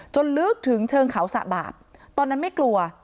ลึกถึงเชิงเขาสะบาปตอนนั้นไม่กลัว